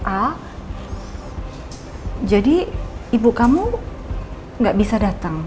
a jadi ibu kamu gak bisa datang